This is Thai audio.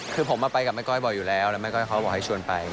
คือผมไปกับแม่ก้อยบ่อยอยู่แล้วแล้วแม่ก้อยเขาบอกให้ชวนไป